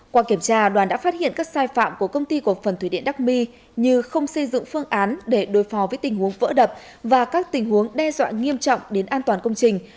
qua kiểm tra đoàn đã phát hiện các sai phạm của công ty cổ phần thủy điện đắc my như không xây dựng phương án để đối phó với tình huống vỡ đập và các tình huống đe dọa nghiêm trọng đến an toàn công trình